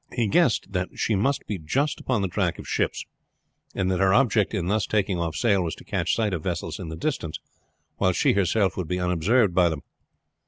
He guessed that she must be just upon the track of ships, and that her object in thus taking off sail was to catch sight of vessels in the distance while she herself would be unobserved by them.